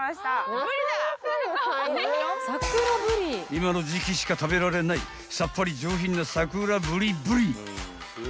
［今の時季しか食べられないさっぱり上品な］